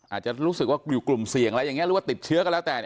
อาจจะรู้สึกว่าอยู่กลุ่มเสี่ยงอะไรอย่างนี้หรือว่าติดเชื้อก็แล้วแต่